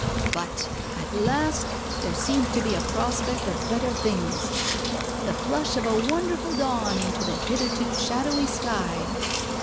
But at last there seems to be a prospect of better things, the flush of a wonderful dawn in the hitherto shadowy sky.